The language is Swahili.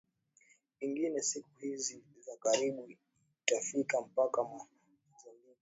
ingine siku hizi za karibu itafika mpaka mozambiki